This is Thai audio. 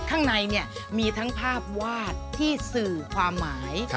ข้างในมีทั้งภาพวาดที่สื่อความหมาย